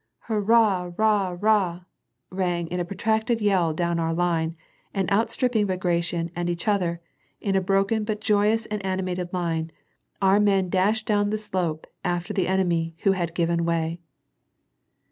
*' Hurrah ah ah," rang in a protracted yell down our line, and outstripping Bagration and each other, in a broken but joyous and animated line, our men dashed down the slope after the enemy, who had given way.